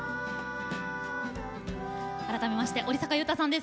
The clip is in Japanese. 改めて、折坂悠太さんです。